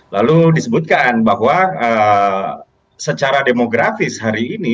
lalu disebutkan bahwa secara demografis hari ini